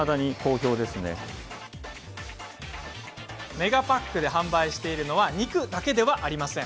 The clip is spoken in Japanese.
メガパックで販売しているのは肉だけではありません。